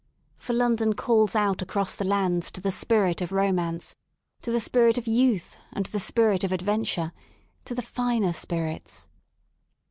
For London calls out across the lands to the spirit of Romance, to the spirit of youth and the spirit of adventure — to the Finer Spirits.